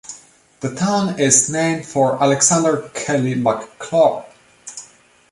The town is named for Alexander Kelly McClure.